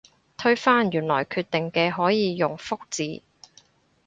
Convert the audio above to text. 推翻原來決定嘅可以用覆字